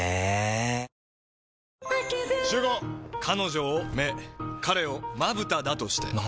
彼女を目彼をまぶただとして。